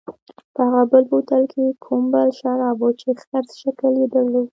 په هغه بل بوتل کې کومل شراب و چې خرس شکل یې درلود.